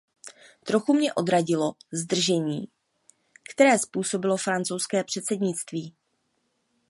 Trochu mě odradilo zdržení, které způsobilo francouzské předsednictví.